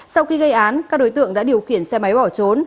sau khi gây án các đối tượng đã điều khiển xe máy bỏ trốn